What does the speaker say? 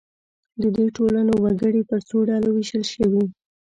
د دې ټولنو وګړي پر څو ډلو وېشل شوي.